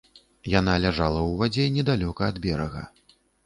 Яна ляжала ў вадзе недалёка ад берага.